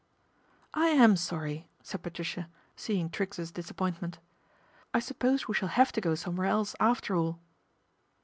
" I am sorry," said Patricia, seeing Triggs's disappointment. " I suppose we shall have to go somewhere else after all."